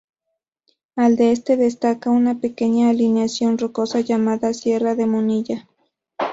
Al este destaca una pequeña alineación rocosa llamada "Sierra de Munilla".